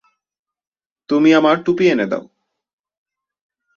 তুমি আমার টুপি এনে দাও।